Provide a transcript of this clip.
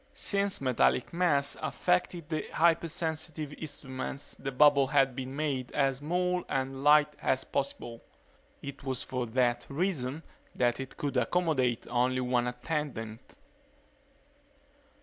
Since metallic mass affected the hypersensitive instruments the bubble had been made as small and light as possible. It was for that reason that it could accommodate only one attendant.